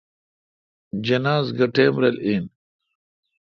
جناز گہ ٹئم رل این۔